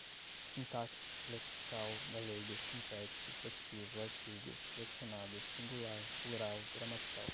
sintaxe, lexical, galego, sintético, flexivo, artigos, flexionados, singular, plural, gramatical